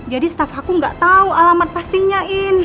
jadi staff aku tidak tahu alamat pastinya in